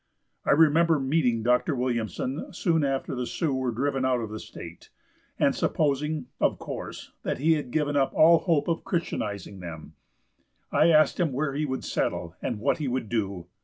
I remember meeting Dr. Williamson soon after the Sioux were driven out of the state, and supposing, of course, that he had given up all hope of Christianizing them, I asked him where he would settle, and what he would do.